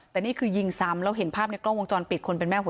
แต่นี่คือยิงซ้ำแล้วเห็นภาพในกล้องวงจรปิด